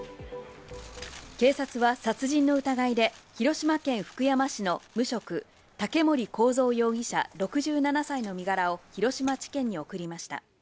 警察は殺人の疑いで広島県福山市の無職、竹森幸三容疑者６７歳の身柄を広島地検に送りました。